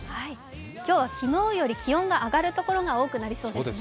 今日は昨日より気温が上がるところが多くなりそうですね。